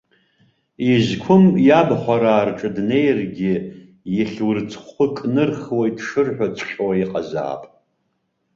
Изқәым, иабхәараа рҿы днеиргьы ихьурӡхәы кнырхуеит шырҳәаҵәҟьо иҟазаап.